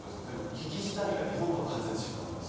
機器自体が日本とは全然違うんです。